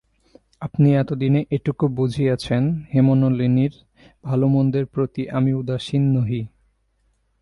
আপনি এতদিনে এটুকু বুঝিয়াছেন, হেমনলিনীর ভালোমন্দের প্রতি আমি উদাসীন নহি।